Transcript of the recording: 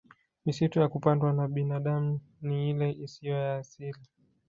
Misitu ya kupandwa na binadami ni ile isiyo ya asili